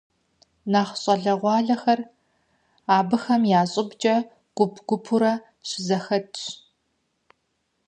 Нэхъ щӏалэгъуалэхэр абыхэм я щӏыбкӏэ гуп-гупурэ щызэхэтщ.